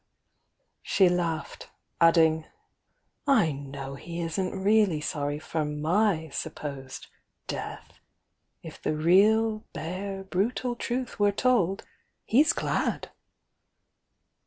" She laughed, adding: "I know he isn't really sorry for my supposed 'death' ; if the real, bare, bru tal truth were told, he's glad!"